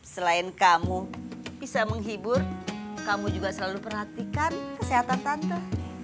selain kamu bisa menghibur kamu juga selalu perhatikan kesehatan tante